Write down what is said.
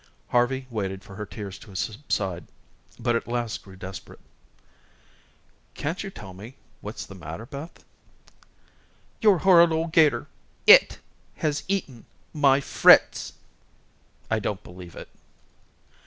Harvey waited for her tears to subside, but at last grew desperate. "Can't you tell me what's the matter, Beth?" "Your horrid old 'gator it has eaten my Fritz." "I don't believe it."